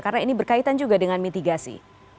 karena ini berkaitan juga dengan mitigasi